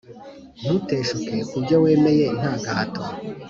Ntuteshuke kubyo wemeye ntagahato